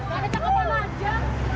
ada cakapan aja